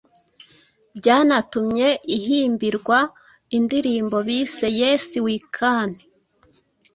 byanatumye ihimbirwa indirimbo bise Yes We can